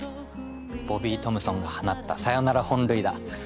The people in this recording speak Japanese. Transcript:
ボビー・トムソンが放ったサヨナラ本塁打